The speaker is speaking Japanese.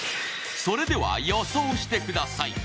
それでは予想してください。